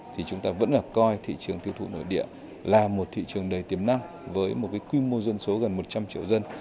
thì chúng ta vẫn coi thị trường tiêu thụ nội địa là một thị trường đầy tiềm năng với một quy mô dân số gần một trăm linh triệu dân